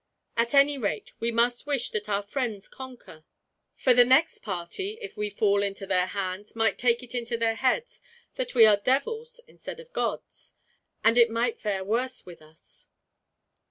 At any rate, we must wish that our friends conquer; for the next party, if we fall into their hands, might take it into their heads that we are devils instead of gods, and it might fare worse with us."